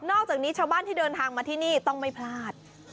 อกจากนี้ชาวบ้านที่เดินทางมาที่นี่ต้องไม่พลาด